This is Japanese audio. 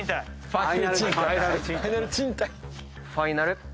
ファイナル賃貸。